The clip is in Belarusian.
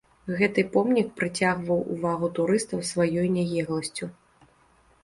Гэты помнік прыцягваў увагу турыстаў сваёй нягегласцю.